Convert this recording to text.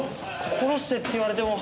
心してって言われても。